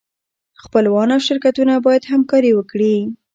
خپلوان او شرکتونه باید همکاري وکړي.